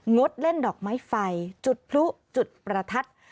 ดเล่นดอกไม้ไฟจุดพลุจุดประทัด